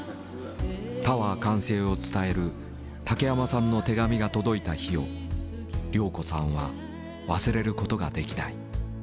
タワー完成を伝える竹山さんの手紙が届いた日を亮子さんは忘れることができない。